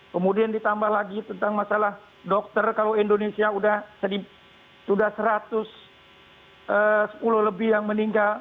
kemudian ditambah lagi tentang masalah dokter kalau indonesia sudah satu ratus sepuluh lebih yang meninggal